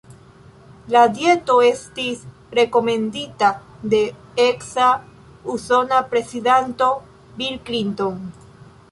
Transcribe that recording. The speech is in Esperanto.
La dieto estis rekomendita de eksa usona prezidanto Bill Clinton.